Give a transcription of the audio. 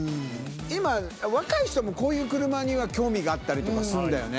今、若い人もこういう車には興味があったりとかすんだよね。